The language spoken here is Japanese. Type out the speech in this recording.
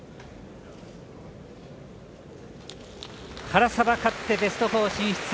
原沢勝ってベスト４進出。